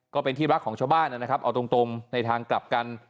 ก็เป็นที่รักของชาวบ้านนะครับเอาตรงในทางกลับกัน